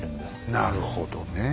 なるほどねえ。